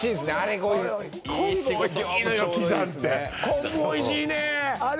昆布おいしいね